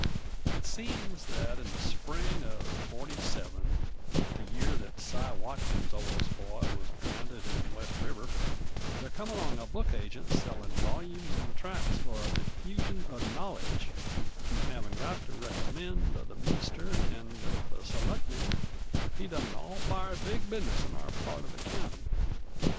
It seems that in the spring uv '47 the year that Cy Watson's oldest boy wuz drownded in West River there come along a book agent sellin' volyumes 'nd tracks f'r the diffusion uv knowledge, 'nd havin' got the recommend of the minister 'nd uv the selectmen, he done an all fired big business in our part uv the county.